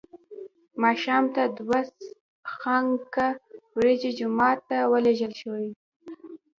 ماښام ته دوه خانکه وریجې جومات ته ولېږل شوې.